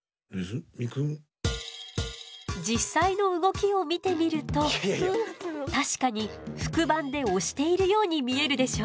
実際の動きを見てみると確かに腹板で押しているように見えるでしょ。